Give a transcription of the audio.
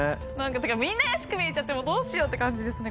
みんな怪しく見えちゃってもうどうしようって感じですね